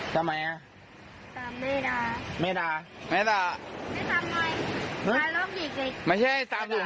๓ถุง๕๐๐ไม่ได้เหรอ๓ถุง๕๐๐